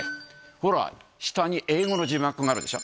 ほら、下に英語の字幕があるでしょ。